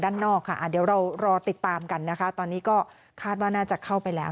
ด้านนอกค่ะเดี๋ยวเรารอติดตามกันนะคะตอนนี้ก็คาดว่าน่าจะเข้าไปแล้ว